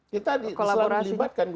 kita selalu dilibatkan